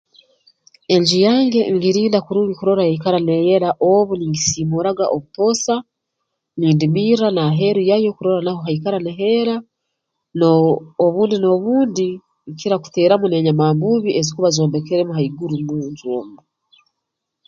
Enju yange ngirinda kurungi kurora yaikara neeyera obu ningisiimuraga obutoosa nindimirra n'aheeru yayo kurora naho haikara niheera noo obundi n'obundi nkira kuteeramu n'enyamambuubi ezikuba zombekeremu haiguru mu nju omu